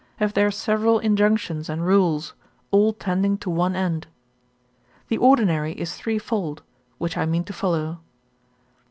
have their several injunctions and rules, all tending to one end. The ordinary is threefold, which I mean to follow.